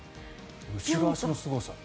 後ろ足のすごさ。